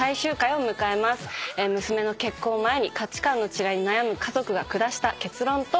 娘の結婚を前に価値観の違いに悩む家族が下した結論とは？